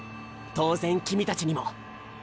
当然君たちにも。